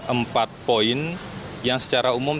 empat poin yang secara umum